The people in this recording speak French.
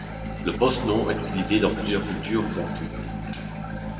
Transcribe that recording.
Le postnom est utilisé dans plusieurs cultures bantoues.